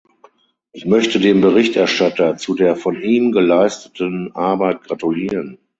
Ich möchte dem Berichterstatter zu der von ihm geleisteten Arbeit gratulieren.